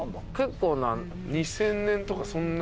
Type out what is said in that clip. ２０００年とかそんな。